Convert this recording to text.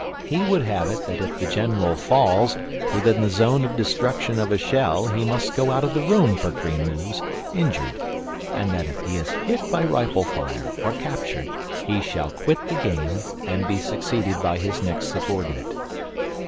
He would have it that if the General falls within the zone of destruction of a shell he must go out of the room for three moves (injured); and that if he is hit by rifle fire or captured he shall quit the game, and be succeeded by his next subordinate.